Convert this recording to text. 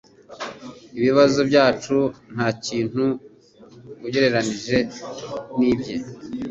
Ibibazo byacu ntakintu ugereranije nibye